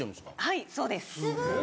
はいそうです。